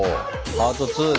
パート２だ。